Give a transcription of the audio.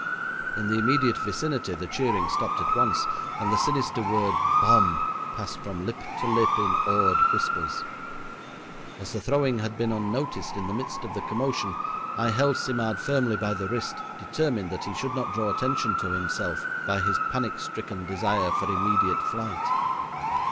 In the immediate vicinity the cheering stopped at once, and the sinister word 'bomb' passed from lip to lip in awed whispers. As the throwing had been unnoticed in the midst of the commotion, I held Simard firmly by the wrist, determined he should not draw attention to himself by his panic stricken desire for immediate flight.